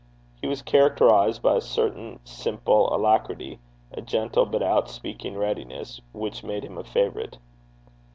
He was characterized by a certain simple alacrity, a gentle, but outspeaking readiness, which made him a favourite.